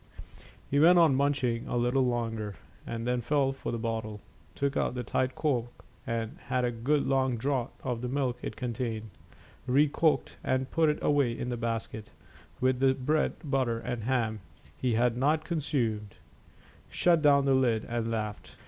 He went on munching a little longer, then felt for the bottle, took out the tight cork, had a good long draught of the milk it contained, recorked and put it away in the basket with the bread, butter, and ham he had not consumed, shut down the lid, and laughed.